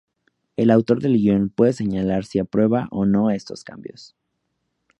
El autor del guion puede señalar si aprueba o no estos cambios.